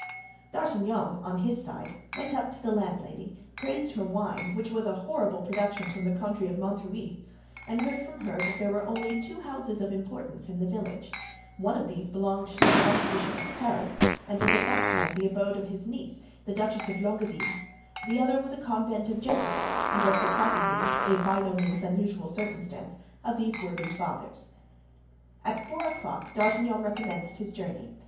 D'Artagnan, on his side, went up to the landlady, praised her wine—which was a horrible production from the country of Montreuil—and heard from her that there were only two houses of importance in the village; one of these belonged to the Archbishop of Paris, and was at that time the abode of his niece the Duchess of Longueville; the other was a convent of Jesuits and was the property—a by no means unusual circumstance—of these worthy fathers. At four o'clock D'Artagnan recommenced his journey.